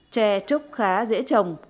tre trúc khá dễ trồng